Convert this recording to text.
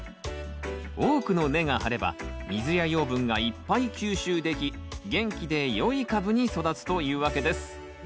多くの根が張れば水や養分がいっぱい吸収でき元気で良い株に育つというわけです。